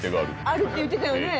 あるって言ってたよね。